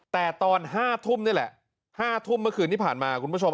แต่ตอน๕ทุ่มนี่แหละ๕ทุ่มเมื่อคืนที่ผ่านมาคุณผู้ชม